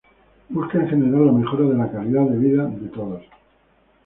Busca en general la mejora de la calidad de vida de todos.